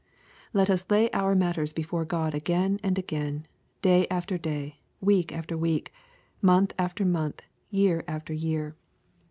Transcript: Let us iay our matters before God again and again, day after day, week after week, month after month, year after year.